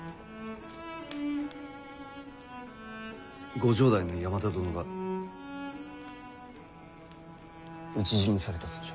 ご城代の山田殿が討ち死にされたそうじゃ。